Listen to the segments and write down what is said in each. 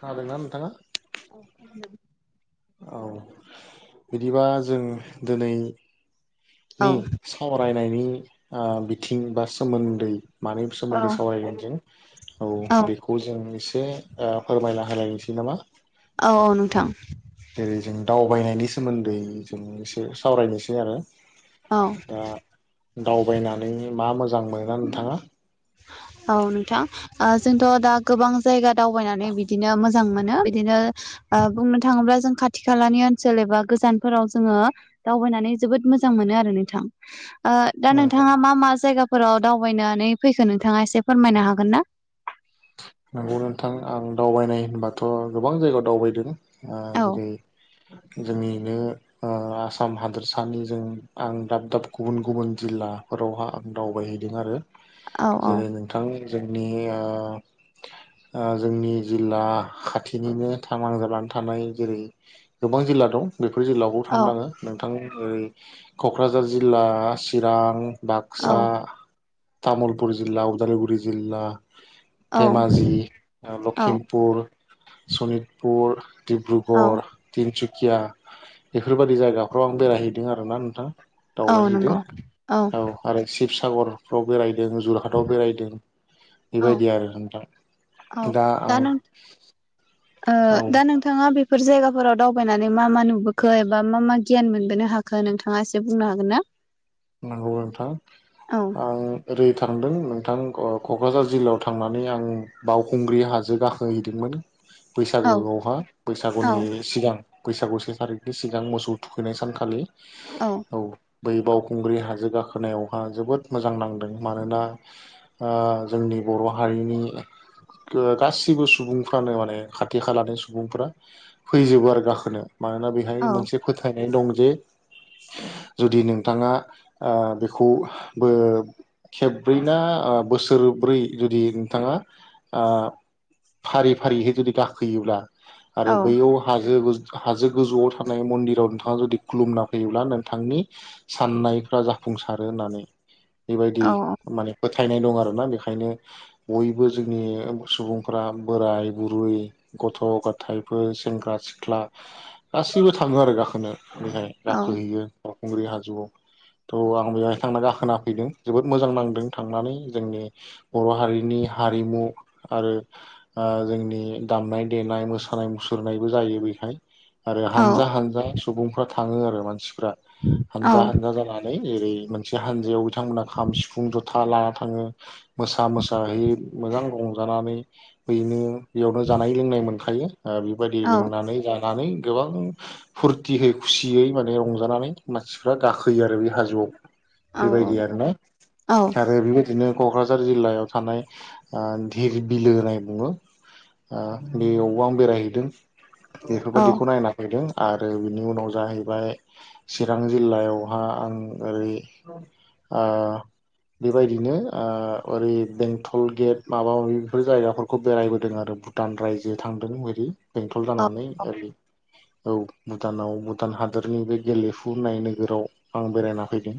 खोनादोंना नोंथाङा? अ खोनादों। औ बिदिबा जों दिनैनि औ सावराय होननि बिथिं बा सोमोन्दै मानि सोमोन्दै औ सावरायगोन जों औ बेखौ जों एसे फोरमायना होलायनोसै नामा औ औ नोंथां। जेरै जों दावबायनायनि सोमोन्दै जों एसे सावरायनोसै आरो। औ दा दावबायनानै मा मोजां मोनो नोंथाङा औ नोंथां ओ जोंथ' दा गोबां जायगा दावबायनानै बिदिनो मोजां मोजां मोनो बिदिनो ओ बुंनो थाङोब्ला जों खाथि खालानि ओनसोल एबा गोजानफोराव जोङो दावबायनानै जोबोद मोजां मोनो आरो नोंथां। ओ दा नंगौ नोंथाङा मा मा जायगाफोराव दावबायनानै फैखो नोंथाङा एसे फोरमायनो हागोन ना नंगौ नोंथां आं दावबायनाय होनबाथ' गोबां जायगायाव दावबायदों ओ औ जेरै जोंनिनो ओ आसाम हादोरसानि जों आं दाब दाब गुबुन गुबुन जिल्लाफोरावहा आं दावबायहैदों आरो औ औ जेरै नोंथांनि जोंनि ओ ओ जोंनि जिल्ला खाथिनिनो थां नांजाबानानै थानाय जेरै गोबां जिल्ला दं बेफोर जिल्लायावबो औ थांदों आङो नोंथां। ओइ क'क्राझार जिल्ला चिरां औ बाक्सा। तामुलपुर जिल्ला उदालगुरि जिल्ला। औ धेमाजि औ लखिमपुर सनितपुर। औ डिब्रुगर तिनसुकिया बेफोरबायदि जायगाफ्राव आं बेरायहैदों आरोना नोंथां। औ दावबायहैदों नंगौ औ आरो शिबसागरफ्राव बेराय दों जरहाटाव बेरायदों औ बेबायदि आरो। औ दा आं नों ओ औ दा नोंथाङा बे फोर जायगाफोराव दावबायनानै मा मा नुबोखो एबा मा मा गियान मोनबोनो हाखो नोंथाङा एसे बुंनो हागोन ना? नंगौ नोंथां औ आं ओरै थांदों नोंथां ओ क'क्राझार जिल्लायाव थांनानै आं बावखुंग्रि हाजो गाखोहैदोंमोन। औ बैसागोआवहा औ बैसागुनि सिगां। बैसागु से थारिखनि सिगां मोसौ थुखैनाय सानखालि औ बै बाव खुंग्रि हाजो गाखोनायावहा जोबोद मोजां नांदों मानोना ओ जोंनि बर' हारि बेनि गासिबो सुबुंफ्रानो माने खाथि खालानि सुबुंफ्रा फैजोबो आरो गाखोनो। मानोना बेहाय औ मोनसे फोथायनाय दं जे जुदि नोंथाङा ओ बेखौ बो खेबब्रै ना ओ बोसोरब्रै जुदि बिथाङा आ फारि फारिहै जुदि गाखोयोब्ला आरो औ बैयाव हाजो हाजो गोजौआव थानाय मन्दिराव नोंथाङा जुदि खुलुमना फैयोब्ला नोंथांनि साननाय फोरा जाफुंसारो होननानै औ बेबायदि माने फोथा फोथायनाय दं आरोना बेखायनो बयबो जोंनि सुबुंफ्रा बोराय बुरै गथ' गथायफोर सेंग्रा सिख्ला गासैबो थाङो आरो गाखोनो। बेहाय औ गाखोहैयो बावखुंग्रि हाजोआव। थ आं बेवहाय थांनानै गाखोना फैदों जोबोद मोजां नांदों थांनानै जोंनि बर' हारिनि हा हारिमु आरो ओ जोंनि दामनाय देनाय मोसानाय मुसुरनायबो जायो बे आरो औ हानजा हानजा सुबुंफोरा थाङो आरो मानसिफोरा हानजा हानजा जानानै एरै मोनसे हानजायाव बिथांमोनहा खाम सिफुं जथा लाना थाङो मोसा मोसाहै मोजां रंजानानै बैनो बेयावनो जानाय लोंनाय मोनखायो ओ बेबायदि औ लोंनानै जा नानै गोबां फुरतियै खुसियै माने रंजानानै मानसिफ्रा गाखोयो आरो बे हाजोआव बेबायदि आरोना औ आरो बेबायदिनो क'क्राझार जिल्लायाव थानाय ओ धिर बिलो होननाय बुङो। ओ बेयावबो आं बेरायहैदों औ बेफोरबायदिखौ नायना फैदों। आरो बिनि उनाव जाहैबाय चिरां जिल्लायावहा आं ओरै आ बेबायदिनो ओ ओरै बेंटल गेट माबा माबि बेफोर जायगाफोरखौ बेरायबोदों आरो। भुटान रायजो थांदों ओरै बेंटल जानानै ओरै। औ भुटानाव भुटान हादोरनि बे गेलेफु होननाय नोगोराव आं बेरायना फैदों।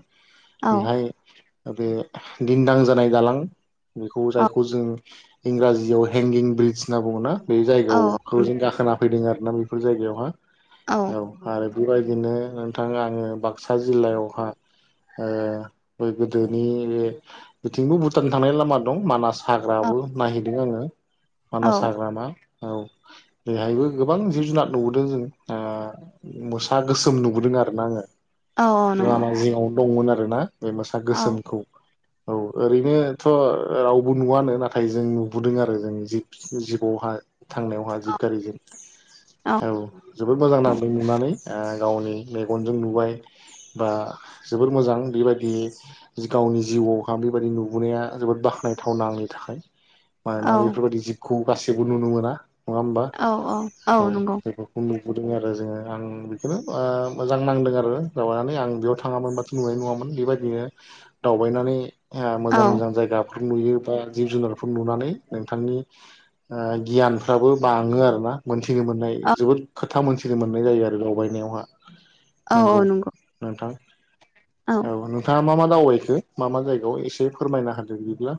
औ बेहाय बे दिनदां जानाय दालां। बेखौ औ जायखौ जों इंराजियाव हेंगिं ब्रिदज होनना बुङो ना। बे औ जायगायावखौ जों गाखोना फैदों आरोना बेफोर जायगायावहा औ आरो। बेबायदिनो नोंथां आङो बाक्सा जिल्लायावहा ओ बै गोदोनि बे बिथिंबो भुटान थांनाय लामा दं मानास। हाग्राबो नायहैदों आङो मानास हाग्रामा। औ बेहायबो गोबां जिब जुनार नबोदों जों ओ मोसा गोसोम नुबोदों आरो ना आङो। औ औ नंगौ। बुंगोन आरोना बे मोसा औ गोसोमखौ। औ ओरैनोथ रावबो नुवनो नाथाय जों नुबोदों आरो जों जिब जिबआवहाय थांनायावहा जिबगारिजों औ जोबोद मोजां नांदों नुनानै ओ गावनि मेगनजों नुबाय बा जोबोर मोजां बेबायदि गावनि जिउआवहा बेबायदि नुबोनाया जोबोद बाख्नायथावना आंनि था- खाय औ मानोना बेफोरबायदि जिबखौ गासैबो नुनो मोना नङा होमबा औ जायफोरखौ नुदों आरो जोङो आं बेखौनो मोजां नांदों आरो माबानानै आं बेयाव थाङामोनबाथ नुनाय नङामोन बेबायदिनो दावबायनानै ओ औ मोजां मोजां जायगा नुयो बा जिब जुनारफोर नुनानै नोंथांनि ओ गियानफ्राबो बाङो आरोना मोनसे मोनथिनो मोननाय औ जोबोद खोथा मोनथिनो मोननाय जायो आरो दावबायनायावहा औ नंगौ औ नोंथां औ नोंथाङा मा मा दावबायखो मा मा जायगायाव एसे फोरमायना होदो बिदिब्ला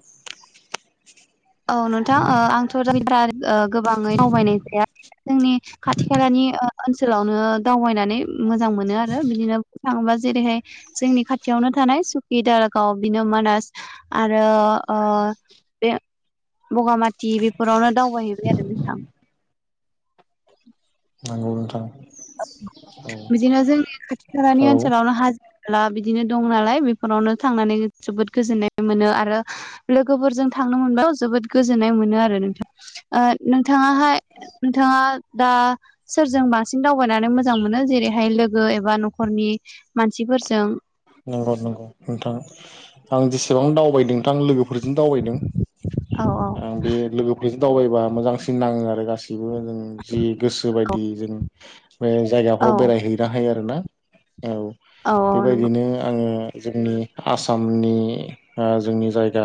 औ नोंथां ओ आंथ दा [inaudible] गोबाङै दावबायनाय जायाखै जोंनि खाथि खालानि ओ-ओनसोलावनो दावबायनानै मोजां मोनो आरो बिदिनो थाङोबा जेरैहाय जोंनि खाथियावनो थानाय सुकि दारगाव बिनो मानास आरो ओ बे बगामाथि बेफोरावनो दावबायहैबाय आरो नोंथां नंगौ नोंथां औ बिदिनो जोंनि खाथि खालानि ओनसोलावनो हाजो हाला बिदिनो दं नालाय बेफोरावनो थांनानै जोबोद गोजोननाय मोनो आरो लोगोफोरजों थां नो मोनबा जोबोद गोजोन्नाय मोनो आरो नोंथां ओ नोंथाङाहाय नोंथाङा दा सोरजोंबा बांसिं दावबायनानै मोजां मोनो जेरैहाय लोगो एबा नखरनि मानसिफोरजों नंगौ नंगौ नोंथां आं जेसेबां दावबायदों नोंथां लोगोफोर- फोरजों दावबायदों औ आं बे लोगोफोरजों दावबायबा मोजांसिन नाङो आरो गासैबो जों जि गोसो औ बायदि जों बे औ जायगाफ्राव बेरायहैनो हायो आरोना औ औ नंगौ बेबायदिनो आङो जोंनि आसामनि ओ जोंनि जायगा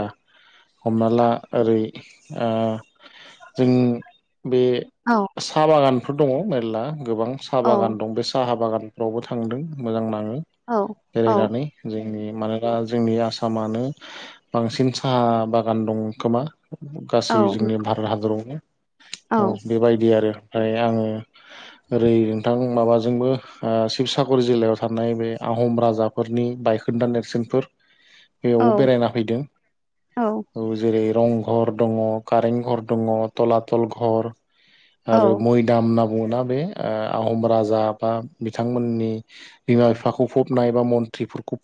हमना ला ओरै ओ जों बे औ साहा बागानफोर दङ मेर्ला गोबां साहा औ बागान दं बे साहा बागानफ्रावबो थांदों मोजां नाङो औ औ बेरायनानै जों मानोना जोंनि आसामानो बांसिन साहा बागान दं खोमा गासै औ जोंनि भारत हादराव औ बेबायदि आरो ओमफ्राय आङो ओरै नोंथां माबाजोंबो ओ शिबसागर जिल्लायाव थानाय बे आहम राजा राजाफोरनि बायखोन्दा नेरसोनफोर बेयावबो बेरायना फैदों औ जेरै रं रं घर दङ कारें घर दङ टलातल घर औ आरो मयदाम ध बुङोना बे ओ आहम राजा बा बिथांमोननि बिमा बिफाखौ फबनाय ाम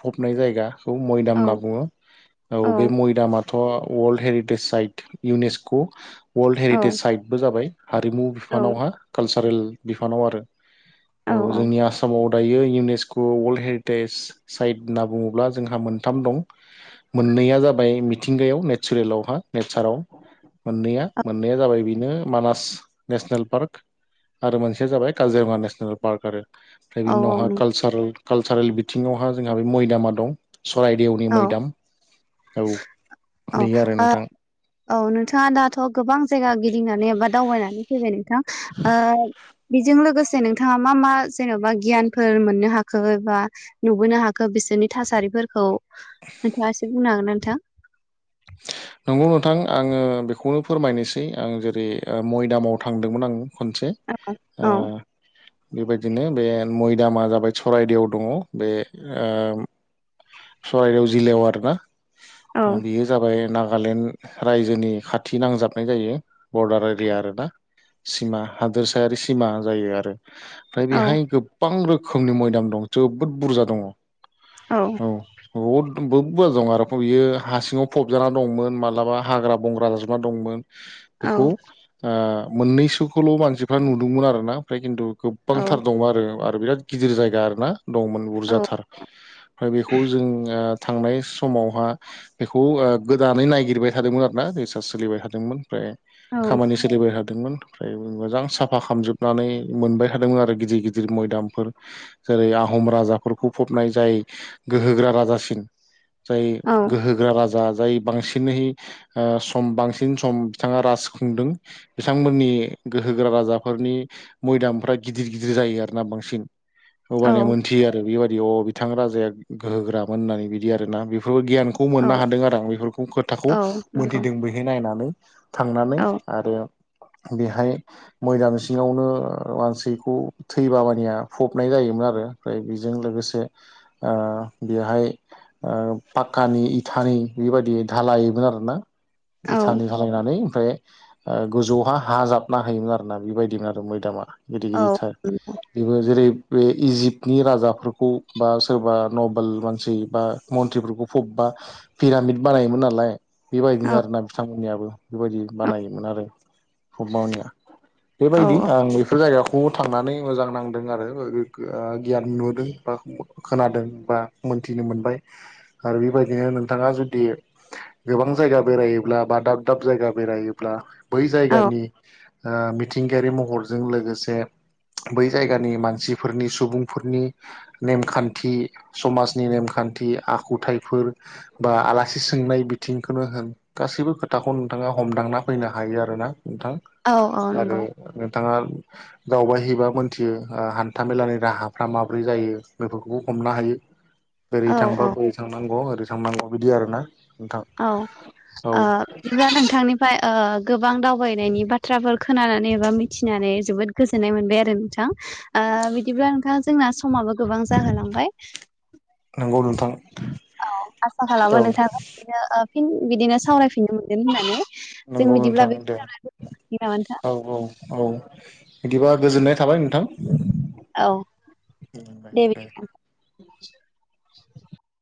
फबनाय जायाखौ माम औ होनना बुङो औ बे मामा थ world heritage site UNESCO world heritage साइटबो जाबाय हारिमु औ बिफानावहा कालसारेल बिफानाव आरो औ जोंनि आसामाव थायो इउनेस्क वर्ल्ड हेड देस साइद होनना बुङोब्ला जोंहा मोनथाम दं मोननैया जाबाय मिथिंगायाव ने रेलेवहा नेचाराव मोननैया मोननैया जाबाय बेनो मानास नेसनेल पार्क आरो मोनसेया जाबाय काजिरङा नेसनेल पार्क आरो ओमफ्राय बि औ उनावहा नंगौ कालसार कालसारेल बिथिङावहा जोंहा बे मयदामा दं सररायदेवनि औ मैदाम औ औ बेयो आरो ओ नोंथां औ नोंथाङा दाथ' गोबां जायगा गिदिंनानै एबा दावबायनानै फैबाय नोंथां ओ बिजों लोगोसे नोंथाङा मा मा जेनबा गियानफोर मोननो हाखो एबा नुबोनो हाखो बिसोरनि थासारि फोरखौ नोंथाङा एसो बुंनो हागोन ना नोंथां? [inaudible] नंगौ नोंथां आङो बेखौनो फोरमायनोसै आं जेरै ओ मयदामाव थांदोंमोन आं खनसे औ ओह बेबायदिनो बे मयदामा जाबाय सरायदेवाव दङ बे ओम सराइदेव जिलायाव आरोना, औ बेयो जाबाय नां नागालेण्ड रायजोनि खाथि नांजाबनाय जायो बरडार एरिया आरो। सिमा हादोरसायारि सिमा जायो आरो। ओमफ्राय औ बेहाय गोबां रोखोमनि मयदाम दं जोबोद बुरजा दङ'। औ। बहुद [unintelligible] दं आरो बियो हा सिङाव फबजाना दंमोन मालाबा हाग्रा बंग्रा जाजोबना दंमोन। औ बेखौ ओ मोननैसोखौल' मानसिफ्रा नुदोंमोन आरोना ओमफ्राय खिन्थु औ गोबांथार दं आरो बिराद गिदिर जायगा आर ना, दंमोन औ बुरजाथार ओमफ्राय बेखौ जों ओ थांनाय समावहा बेखौ गोदानै नायागिरबाय थादोंमोन आरोना रिसार्च सोलिबाय थादोंमोन, ओमफ्राय औ खामानि सोलिबाय हाग मोन आमफ्राय मोजां साफा खालामजोबनानै मोनबाय थादोंमोन आरो गिदिर गिदिर मयदामफोर। जेरै आहम राजाफोरखौ फबनाय जायो गोहोग्रा राजासिन जाय गोहोग्रा राजा जाय बांसिनै ओ सम बांसिन सम बिथाङा राज खुंदों बिथांमोननि गोहो गोहोगोरा राजाफोरनि मयदामफ्रा गिदिर गिदिर जायो आरोना बांसिन। औ हबानिया मोनथियो आरो बेबायदि अ बिथां राजाया गोहोगोरामोन होननानै बिदि आरोना। बेफोर बो गियानखौ मोननो औ हादों आरो आं बेफोरखौ खोथाखौ औ नंगौ मोनथिदों बैहाय नायनानै। थांनानै औ आरो बेहाय मैदाम सिङावनो मानसिखौ थैबाबानिया फबनाय जायोमोन आरो । ओमफ्राय बेजों लोगोसे से‌ ओ बेहाय ओ पाक्कानि इथानि बेबायदि धालायोमोन आरोना। औ इथानि धालायनानै ओमफ्राय ओ‌ गोजौहा हा जाबना होयोमोन आरोना बेबायदिनो आरो मैदामा। गिदिर औ गिदिरथार बेबो जेरै बे इजिप्तनि राजाफोरखौ बा सोरबा नबेल मानसि बा मन्त्रिफोरखौ फबबा पिरामिद बानायोमोन नालाय। औ बेबायदिनो आरोना बिथांमोननियाबो बेबायदि बानायोमोन आरो प्रबनिया बेबायदि आं बेफोर जायगायाव बोव थांनानै मोजां नांदों आरो ओ‌ गियान नुदों बा खोनादों बा मोनथिनो मोनबाय आरो बेबायदिनो नोंथाङा जुदि गोबां जायगा बेरायोब्ला बा दाब दाब जायगा बेरायोब्ला बै औ जायगानि ओ मिथिंगायारि महर जों लोगोसे बै जायगानि मानसिफोरनि सुबुंफोरनि नेमखान थि समाजनि नेमखान्थि आखुथाइफोर बा आलासि सोंनाय बिथिंखौनो हो न गासैबो खोथाखौ नोंथाङा हमदांना फैनो हायो आरो ना। नोंथां औ औ आरो नंगौ नोंथाङा दावबायहैबा मोनथियो ओ‌ हान्था मेलानि राहाफ्रा माब्रै जायो बेफोर खौ हमनो हायो बोरै औ थांबा औ बबेजों औ ओ बिदिब्ला नोंथांनिफ्राय ओ गोबां दावबायनायनि बाथ्राफोर खोनानानै एबा मिथिनानै जोबोद गोजोननाय मोनबाय आरो नोंथां। ओ बिदिब्ला नोंथां जोंना समाबो गोबां जाहोलांबाय नोंगौ नोंथां। औ आसा औ खालामो नोंथांदों [unintelligible] बिदिनो ओ फिन बिदिनो सावरायफिननो मोनगोन होननानै। जों नंगौ बिदिब्ला नोंथां बे दे नामा नोंथां औ औ औ। बिदिबा गोजोननाय थाबाय नोंथां। औ दे बेदिबालाय।